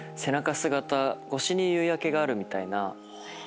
姿越しに夕焼けがあるみたいな。